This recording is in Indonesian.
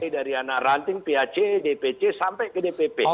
dari anak ranting pac dpc sampai ke dpp